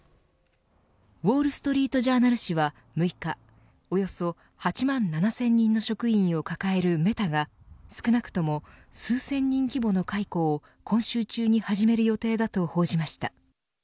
ウォールストリート・ジャーナル紙は６日およそ８万７０００人の職員を抱えるメタが少なくとも数千人規模の解雇を今週中に始める予定だと報じました。